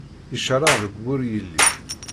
Iceṛṛeɛ deg wur yelli.